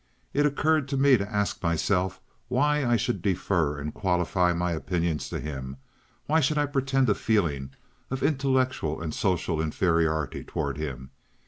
It occurred to me to ask myself why I should defer and qualify my opinions to him. Why should I pretend a feeling of intellectual and social inferiority toward him.